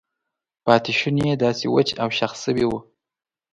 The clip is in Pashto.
پاتې شونې یې داسې وچ او شخ شوي وو.